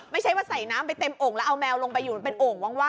ไม่ใช่ว่าใส่น้ำไปเต็มโอ่งแล้วเอาแมวลงไปอยู่มันเป็นโอ่งว่าง